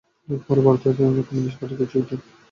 পরে তিনি ভারতের কমিউনিস্ট পার্টিতে যোগ দেন।